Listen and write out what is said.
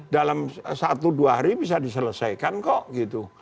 dalam satu dua hari bisa diselesaikan kok gitu